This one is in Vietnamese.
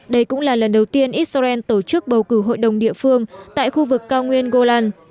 đây cũng là lần đầu tiên israel tổ chức bầu cử hội đồng địa phương tại khu vực cao nguyên golan